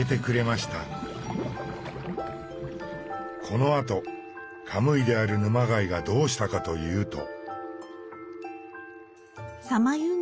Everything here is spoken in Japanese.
このあとカムイである沼貝がどうしたかというと。